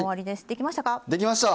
できました！